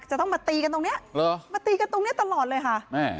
จะต้องมาตีกันตรงนี้มาตีกันตรงนี้ตลอดเลยค่ะ